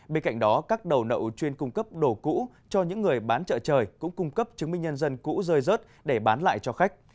bên cạnh đó các đầu nậu chuyên cung cấp đồ cũ cho những người bán chợ trời cũng cung cấp chứng minh nhân dân cũ rơi rớt để bán lại cho khách